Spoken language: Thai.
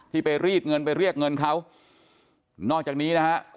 ไปรีดเงินไปเรียกเงินเขานอกจากนี้นะฮะ